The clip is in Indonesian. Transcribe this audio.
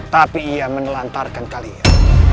tapi ia menelantarkan kalian